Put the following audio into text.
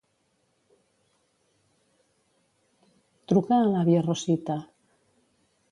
Truca a l'àvia Rosita.